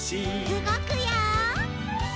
うごくよ！